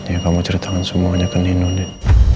yang kamu ceritakan semuanya ke nino nen